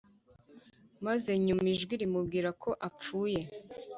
maze yumva ijwi rimubwira ko apfuye